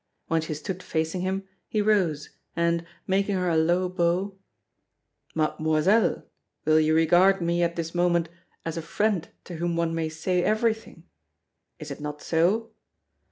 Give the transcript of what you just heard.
When she stood facing him, he rose, and, making her a low bow: "Mademoiselle, will you regard me at this moment as a friend to whom one may say everything? Is it not so?